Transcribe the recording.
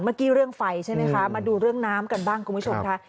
เมื่อกี้เรื่องไฟใช่ไหมคะมาดูเรื่องน้ำกันบ้างคุณผู้ชมค่ะ